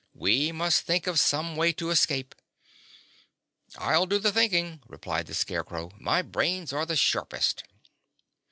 We must think of some way to escape." "I'll do the thinking," replied the Scarecrow. "My brains are the sharpest."